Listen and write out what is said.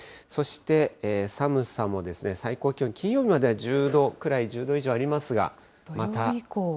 そして、寒さも最高気温、金曜日までは１０度くらい、１０度以上ありますが。